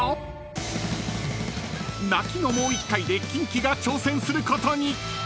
［泣きのもう１回でキンキが挑戦することに］